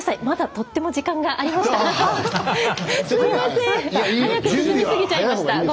まだ、とっても時間がありました。